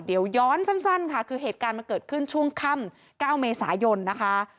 เดี๋ยวย้อนสั้นค่ะคือเหตุการณ์มันเกิดขึ้นช่วงค่ำ๙เมษายนนะคะ